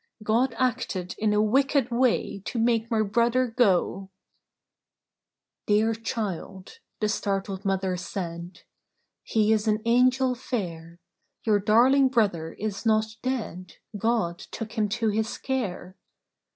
God acted in a wicked way, To make my brother go !" "Dear child," the startled Mother said, " He is an angel fair. Your darling brother is not dead; God took him to his care.